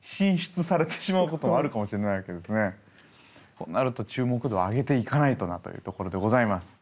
となると注目度を上げていかないとなというところでございます。